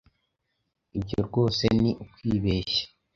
Ibyo rwose ni ukwibeshya,